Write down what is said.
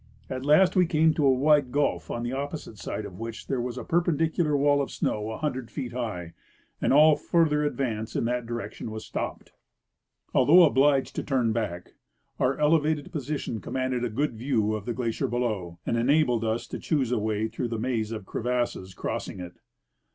At last we came to a wide gulf on the opposite side of which there was a perpendicular wall of snow a hundred feet high, and all further advance in that direction was stopped. Although obliged to turn back, our elevated position commanded a good view of the glacier below and enabled us to choose a way through the maze of crevasses crossing it.